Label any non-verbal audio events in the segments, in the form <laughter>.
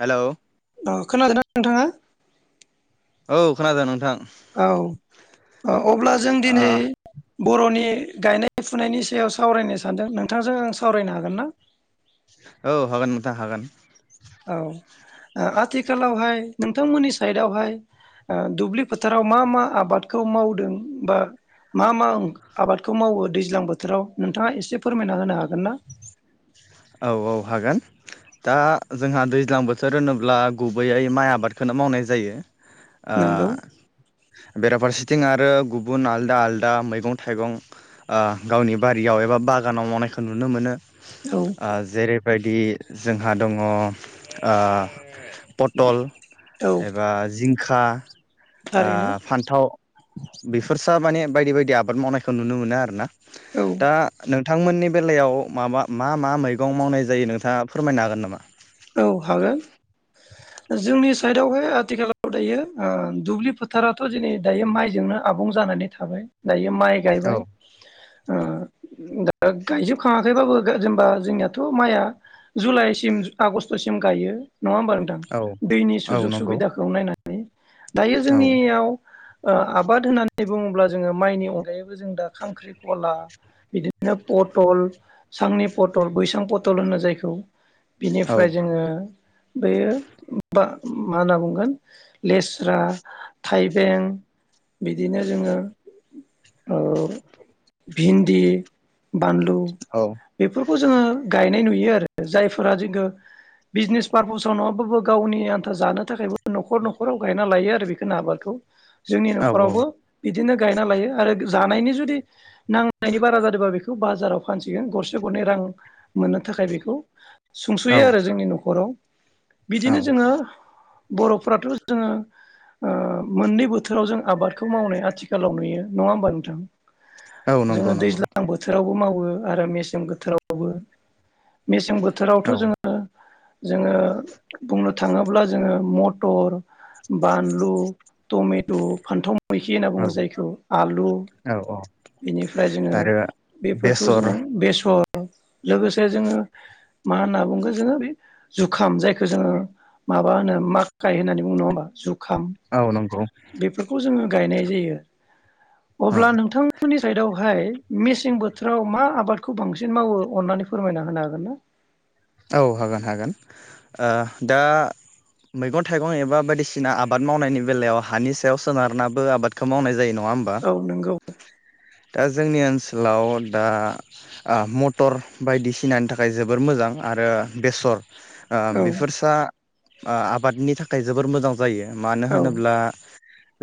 Hello औ अखोनादोंना? नोंथांआ औ खोनादों नोंथां। औ औ अब्ला जों ओ दिनै बर'नि गायनाय फुनायनि सायाव सावरायनो सानदों नोंथांजों आं सावरायनो हागोन ना? औ हागोन मोंथां हागोन। औ ओ आथिखालावहाय नोंथांमोननि साइदावहाय, ओ दुब्लि फोथाराव मा मा आबादखौ मावदों बा मा मा आबादखौ मावो दैज्लां बोथोराव नोंथाङा एसे फोरमायना होनो हागोन ना औ औ हागोन। दा जोंहा दैज्लां बोथोर होनोब्ला गुबैयै माइ आबादखौनो मावनाय जायो। ओ। नंगौ बेराफारसेथिं आरो गुबुन आलदा आलदा मैगं-थाइगं ओ गावनि बारियाव एबा बागानाव मावनायखौ नुनो मोनो। औ ओ जेरैबायदि जोंहा दङ ओ। पथल औ एबा जिं खा थारैनो ओ फान्थाव बेफोरसो माने बायदि बायदि आबाद मावनायखौ नुनो मोनो आरो ना। औ दा नों बिथांमोननि बेलायाव माबा मा मा मैगं मावनाय जायो नोंथाङा फोरमायनो हागोन नामा? औ हागोन जोंनि साइदावहाय आथिखालाव दायो ओ दुब्लि फोथाराथ' दिनै दायो माइजोंनो आबुं जानानै थाबाय। दायो माइ औ गायबाय। ओ दा गायजोब खाङाखैबाबो जेनेबा जोंनियाथ' माइया जुलाइसिम आगस्ट'सिम गायो। नङा होमबा नोंथां औ दैनि औ सुजुग नंगौ सुबिदाखौ नायनानै। दायो औ जोंनियाव ओ आबाद होननानै बुङोब्ला- जोङो माइनि अनगायैबो जों दा खांख्रि खला बिदिनो पथल सांनि पटल बैसां पथल होनो जायखौ। औ बिनिफ्राय जोङो बैयो बा मा होनना बुंगोन? लेस्रा, थाइबें। बिदिनो जोङो। औ भिन्दि। बानलु औ बेफोरखौ जोङो गायनाय नुयो। यो आरो जायफोर फोर जोङो बिजनेस पार्पसाव नङाबाबो गावनि आन्था जानो थाखायबो न'खर न'खराव गायना लायो आरो बेखौनो आबादखौ। जोंनि न'खरावबो बिदिनो गायना लायो आरो। जानायनि जुदि नांनायनि बारा जादोंबा बेखौ बाज बाजाराव फानसिगोन गरसे गरनै रां मोननो थाखाय बेखौ। औ सुंस'यो आरो जोंनि न'खराव। बिदिनो औ जोङो बर'फोराथ जोङो ओ मोननै बोथोराव जों आबाद खौ मावनाय आथिखालाव नुयो। नङा होमबा नोंथां? औ नंगौ जोङो नंगौ दैज्लां बोथोरावबो माव वो आरो मेसें बोथोरावबो। बोथोरावथ औ जोङो। जोङो बुंनो थाङोब्ला जोङो मटर बानलु टमे द फान्थाव मैखि होनना औ बुङो जायखौ आलु औ औ बेनिफ्राय जोङो आरो बेफोरखौ बेसर जोङो बेसर लोगोसे जोङो मा होनना बुंगो जोङो बे जुखाम जायखौ जोङो माबा होनो माखकाय होननानै बुंङो नङा होमबा जुग खाम औ नंगौ बेफोरखौ जोङो गायनाय जायो औ अब्ला नोंथांमोननि सायेदाव फाय मेसें बोथोराव मा आबादखौ बांसिन मावो अननानै फोरमायना होनो हागोन ना औ हागोन हागोन ओ दा मैगं थाइगं एबा बायदिसिना आबाद मावनायनि बेलायाव हानि सायाव सोनारनाबो आबादखौ मावनाय जायो नङ नङा ओमबा औ नंगौ दाज जोंनि ओनसोलाव दा आ मटर बायदिसिनानि थाखाय जोबोर मोजां आरो बेसर आ औ बेफोरसा आबादनि थाखाय जबोर मोजां जायो मानो औ होनोब्ला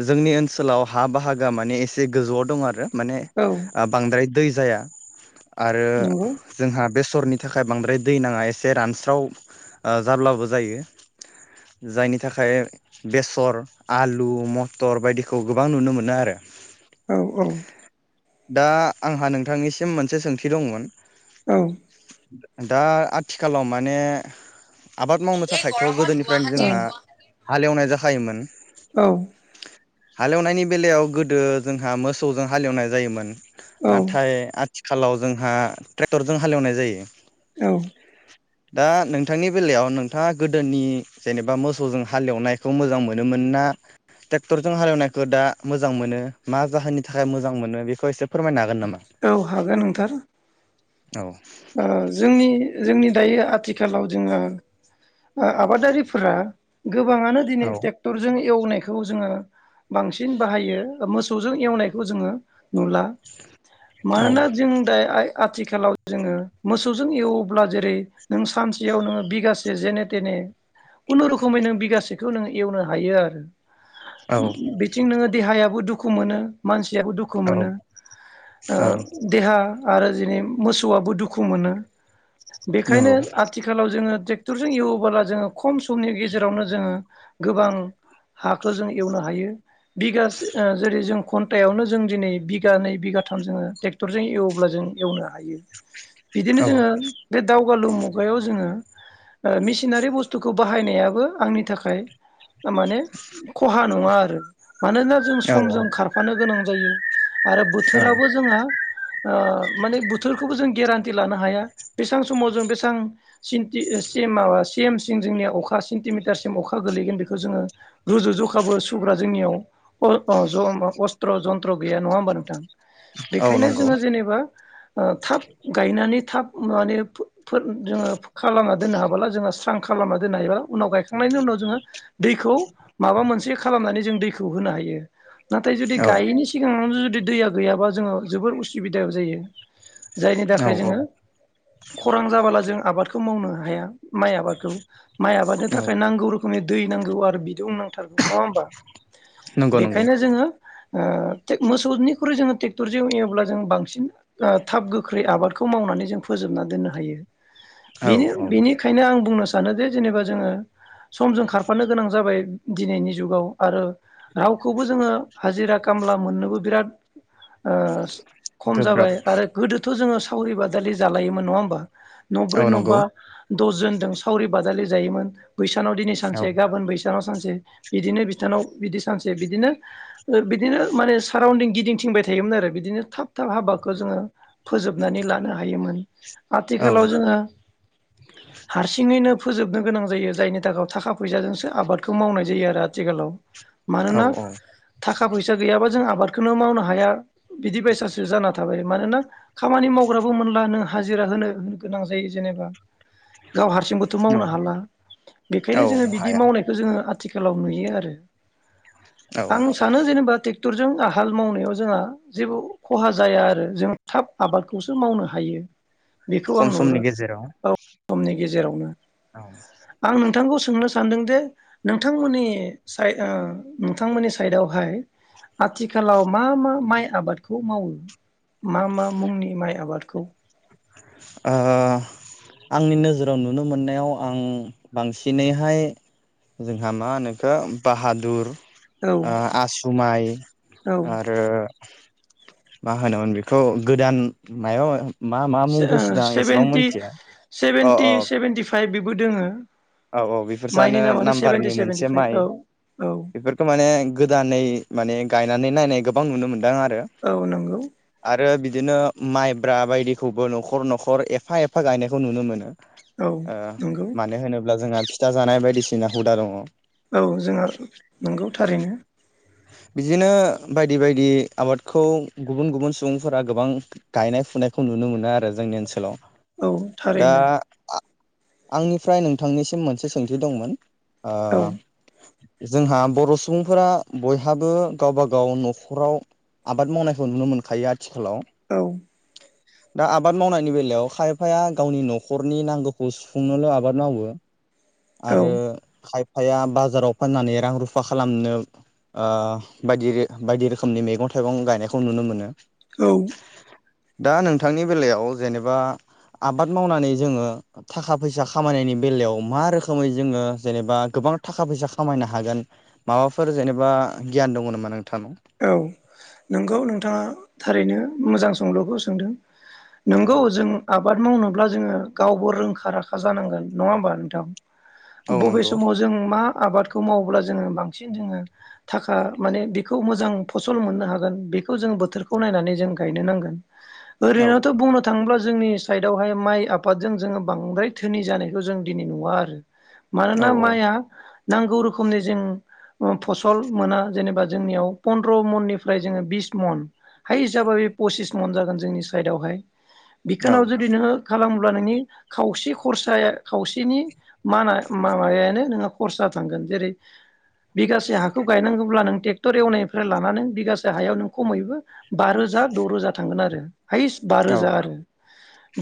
जोंनि ओनसोलाव हा बाहागोआ माने एसे गोजौआव दं आरो माने औ आ बांद्राय दै जाया आरो नंगौ जोंहा बेसरनि थाखाय बांद्राय दै नाङा एसे रानस्राव ओ जाब्लाबो जायो जायनि थाखाय बेसर आलु मथर बायदिखौ गोबां नुनो मोनो आरो औ औ दा आंहा नोंथांनिसिम मोनसे सोंथि दंमोन औ <unintelligible> दा आथिखालाव माने आबाद मावनो थाखायथ गोदोनिफ्रायनो जोंहा हालेवनाय जाखा फायोमोन औ हालेवनायनि बेलायाव गोदो जोंहा मोसौजों हालेवनाय जायोमोन औ नाथाय आथि आथिखालाव जोंहा ट्रेक्टरजों हालेवनाय जायो औ दा नोंथांनि बेलायाव नोंथाङा गोदोनि जेनेबा मोसौजों हालेवनायखौ मोजां मोनोमोन ना ट्रेक्टरजों हालेवनायखौ दा मोजां मोनो मा जाहोननि थाखाय मोज मोजां मोनो बेखौ एसे फोरमायनो हागोन नामा? औ हागोन नोंथां औ ओ जोंनि जोंनि दायो आथिखालाव जोङो ओ आबादारिफोरा गोबाङानो दिनै टेक्टरजों एवनायखौ जोङो बांसिन बाहायो मोसौजों एवनायखौ जोङो नुला। मानोना जों दाय आइ आथिखालाव जोङो मोसौजों एवोब्ला जेरै नों सानसेयाव नोङो बिगासे जेन थेने खुनुरुखुमै नों बिगासेखौ नों एवनो हायो आरो। औ बिथिं नोङो देहायाबो दुखु मोनो मानसि दुखु औ मोनो ओ औ देहा आरो <unintelligible> सौआबो दुखु मोनो। बेखायनो नंगौ आथिखालाव जोङो ट्रे क्टरजों एवोबोला जोङो खम समनि गेजेरावनो जोङो गोबां हाखो जों एवनो हायो। बिगास ओ जेरै जों घन्टायावनो जों दिनै बिघानै बिगाथाम जोङो ट्रेक्टरजों एवोब्ला जों एवनो हायो। बिदिनो औ जोङो बे दाउ गालु मुगायाव जोङो ओ मिसिनारि बुस्थुखौ बाहा हायनायाबो आंनि थाखाय माने खहा नङा आरो। मानोना जों औ समजों खारफानो गोनां जायो। आरो औ बोथोराबो जोंहा ओ माने बोथोर जों गेरानटि लानो हाया बेसां समाव जों बेसां सिनि सि एम माबा सि एमसिम जोंनिया अखा सेन्टिमिटारसिम अखा गोलैगोन बेखौ जोङो रुजु जखाबो सुग्रा जोंनियाव अ अ जम अस्त्र' जन्त्र गैया नङा होमबा नोंथां? औ बेखायनो नंगौ जोङो जेनेबा थाब गायनानै थाब माने फो-फो जोङो खालामना दोननो हाबोला जोङो स्रां खालामना दोननो हायोबा उनाव गायखांनायनि उनाव जोङो दैखौ माबा मोनसे खालामनानै जों दैखौ होनो हायो। नाथाय जुदि औ गायैनि सिगांनो जुदि दैया गैयाबा जोङो जोबोर उसुबिदा जायो। जायनि औ थाखाय औ जोङो खरां जाबोला जों आबादखौ मावनो हाया माइ आबादखौ। माइ आबादनि औ थाखाय नांगौ रोखोमनि दै नांगौ आरो बिदुं नांथारगौ। नङा होमबा? नंगौ नंगौ बेखायनो जोङो ओ टेक मोसौनिख्रुइ जोङो ट्रेक्टरजों एवब्ला जों बांसिन ओ थाब गोख्रै आबादखौ मावनानै जों फोजोबना दोननो हायो। औ औ बेनि-बेनिखायनो आं बुंनो सा सानोजे जेनेबा जोङो समजों खारफानो गोनां जाबाय। दिनैनि जुगाव आरो रावखौबो जोङो हाजिरा खामला मोननोबो बिराद ओ खम गोब्राब जाबाय। गोदोथ जोङो सावरि बादालि जायोमोन नङा होमबा? औ नब्रै नंगौ नबा औ दसजनजों सावरि बादालि। जायोमोन। बैसानाव दिनै औ सानसे गाबोन बैस बिसानाव सानसे, बिदिनो बिथानाव बिदि सानसे बिदिनो बिदिनो माने साराउन्दिं गिदिंथिंबाय थायोमोन आरो, बिदिनो थाब थाब हाबाखौ खौ जोङो फोजोबनानै लानो हायोमोन। औ आथिखालाव जोङो हारसिङैनो फोजोबनो गोनां जायो जायनि थाखाय थाखा फैसाजोंसो आबादखौ मावनाय जायो आरो आथिखालाव। औ मानोना थाखा फैसा गैयाबा जों आबाद बेखौनो मावनो हाया बिदि बायसासो जाना थ मानोना खामानि मावग्राबो मोनला नों हाजिरा होनो गोनां जायो जेनेबा। गाव हारसिंबोथ औ मावनो हाला औ बेखायनो जोङो बिदि हाया मावनायखौ जोङो आ आथिखालाव नुयो आरो। औ आं सानो जेनेबा थि ट्रेक्टर जों आ हाल मावनायाव जोंहा जेबो खहा जाया आरो जों थाब आबादखौसो मावनो हायो। बेखौ खम आं नुहुरो समनि गेजेराव ब समनि गेजेरावनो। औ। आं नोंथांखौ सोंनो सानदों जे नोंथांमोननि साइ ओ नोंथांमोननि साइडआवहाय आथिखालाव मा मा माइ आबादखौ मावो? मा मा मुंनि माइ आबादखौ ओ आंनि नोजोराव नुनो मोननायाव आं बांसिनैहाय जोंहा मा होनोखो बाहादुर औ ओ आसु माइ औ आरो मा होनोमोन बेखौ? गोदान मायाव मा मा मुं ओ फैसोदों आं एसेबां सेभेन्टि मिथिया अ अ सेभेन्टि सेभन्टि। फ्राय बेबो दोङो। औ औ बेफोरसानो माइनि नामानो सेभेनटि नाम्बारनि सेभेनटि मोनसे फाइभ माइ। औ औ बेफोरखौ माने गोदानै माने गायनानै नायनाय गोबां नुनो मोनदों। औ नंगौ आरो बिदिनो माइब्रा बायदिखौबो न'खर न'खर एफा एफा गायनायखौ नुनो मोनो‌। औ नंगौ। दा जोंहा फिथा जानाय बायदिसिना हुदा दङ। औ जोंहा नंगौ थारैनो। बिदिनो बायदि बायदि आबादखौ गुबुन गुबुन सुबुंफोरा गोबां गायनाय फुनायखौ नुनो मोनो आरो जोंनि ओनसोलाव। औ दा थारैनो। आंनिफ्राय नोंथांनिसिम मोनसे सोंथि दंमोन। औ ओयो। जोंहा बर सुबुंफोरा। बयहाबो गावबा गाव न'खराव आबाद मावनायखौ नुनो मोनखायो आथिखालाव। औ। दा आबाद मावनायनि बेलायाव खायफाया गावनि न'खरनि नांगौखौ सुफुंनोल आबाद मावो। औ आरो खायफ फाया बाजाराव फाननानै रां रुफा खालामनो। ओयो बायदिरे बायदि रोखोमनि मैगं थाइगं गायनायखौ नुनो मोनो। औ। दा नोंथांनि बेलायाव जेनेबा आबाद मावनानै जोङो थाखा फैसा खामायनायनि बेलायाव मा रोखोमै जोङो जेनेबा गोबां थाखा फैसा खामायनो हागोन माबाफोर जेनेब बा गियान दङ नामा नों- औ नोंगौ नोंथाङा थारैनो। मोजां सोंलुखौ सोंदों। औ नोंगौ जों आबाद मावनां ब्ला जोङो गावबो रोंखा राखा जानांगोन नङा होमबा नोंथां। औ बबे नंगौ समाव जों मा आबादखौ मावोब्ला जोङो बांसिन जोङो थाखा माने बिख मोजां फसल मोननो हागोन बेखौ जों बोथोरखौ नायनानै जों गायनो नांगोन। औ ओरैनोथ बुंनो थाङोब्ला जो जोंनि साइदआवहाय माइ आबादजों जोङो बांद्राय थोनि जानायखौ जों दिनै नुवा आरो। औ मानोना माइआ नांगौ रोखोमनि जों अ फसल मोना जेनेबा जोंनियाव पनद्रमन निफ्राय जोङो बिस मन हाइस हिसाबै पसिस मन जागोन जोंनि साइदावहाय। औ बिखोनाव जुदि नोङो खालाम <unintelligible> टर एवनायनिफ्राय लानानै बिगासे हायाव नों खमैबो बा रोजा द रोजा थांगोन आरो। हायस बा औ रोजा आरो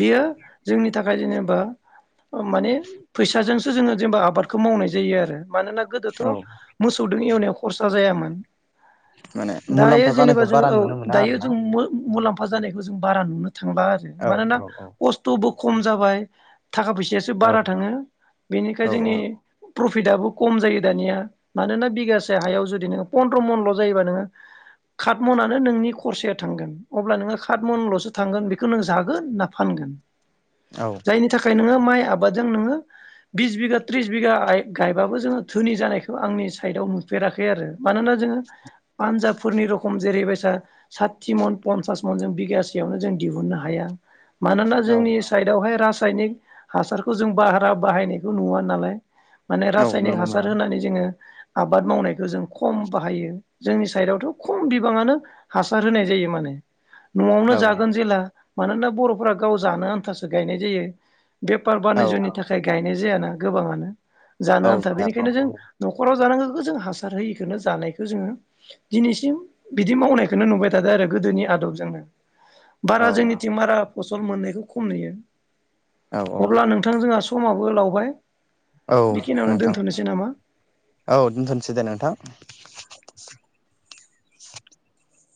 बेयो जोंनि थाखाय जेनेबा- अ माने फैसाजोंसो जोङो जेनेबा आबादखौ मावनाय जायो आरो मानोना? गोदोथ औ मोसौ <inaudible> एवनायाव खरसा जायामोन। माने दायो मुलाम्फा जेनेबा जानायखौ जोङो बारा औ नुनो मोना आरो दायो ना जों मो मुलाम्फा खाजानायखौ जों बारा नुनो थांबा आरो औ मानोना औ खस्थबो खम जाबाय। थाखा फैसायासो औ बारा थाङो बेनिखाय जोंनि औ प्रफिटआबो खम जायो दानिया मानोना बिगासे हायाव जुदि नोङो। पन्द्र मनल जायोबा नोङो, खात मनानो नोंनि खरसाया थांगोन। अब्ला नोङो खात मनलसो थांगोन बेखौ नों जागोन ना फानगोन? औ जायनि थाखाय नोङो माइ आबादजों नोङो, बिस बिगा थट्रिस बिगा गायबाबो जोङो धोनि जानायखौ आंनि साइडआव नुफेराखै आरो। मानोना जोङो पानजाबफोरनि रखम जेरैबायसा साथि मन पन्सास मन जों बिगासेयावनो जों दिहुननो हाया। मानोना औ जोंनि साइडआवहाय राज सायनिक हासारखौ जों भारा बाहायनायखौ नुवा नालाय। माने औ रासायनिक नुनो हासार मोना होनानै जोङो आबाद मावनायखौ जों खम बाहायो जोंनि साइडआवथ खम बिबाङानो हासार होनाय जायो माने। नआवनो औ जागोन जेला मानोना बरफोरा गाव जानो आन्थासो गायनाय जायो। बेपार औ बानिज्यनि थाखाय गायनाय जियाना गोबाङानो। जानो औ आन्था बेनिखायनो जों जाखांबाय नखराव जानो जों हासार होयो। नो जानायखौ जोङो दिनैसिम बिदि मावनायखौनो नुबाय थादों आरो गोदोनि आदबजोंनो। औ बारा जोंनिथिं मारा फसल मोननायखौ खम नुयो। औ अब्ला नोंथां जोंहा समाव बो लावबाय औ बेखिनियावनो नोंथां दोनथ'नोसै नामा औ दोनथ'सै दे नोंथां।